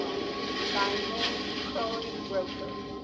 BY MAY CROLY ROPER.